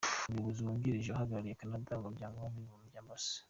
Umuyobozi wungirije uhagarariye Canada mu Muryango w’Abibumbye, Amb.